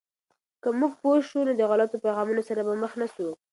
که موږ پوه شو، نو د غلطو پیغامونو سره به مخ نسو.